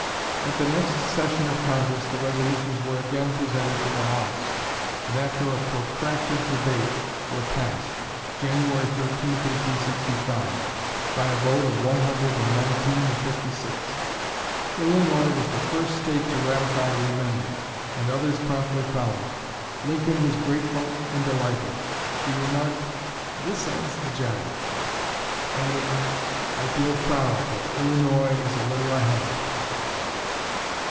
At the next session of Congress the resolutions were again presented to the House, and after a protracted debate were passed (January 13, 1865) by a vote of one hundred and nineteen to fifty six. Illinois was the first State to ratify the amendment; and others promptly followed. Lincoln was grateful and delighted. He remarked, "This ends the job"; adding, "I feel proud that Illinois is a little ahead."